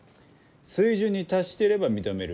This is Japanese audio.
水準に達していれば認める。